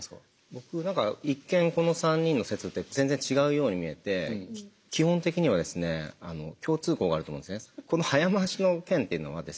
僕何か一見この３人の説って全然違うように見えて基本的にはですね共通項があると思うんですね。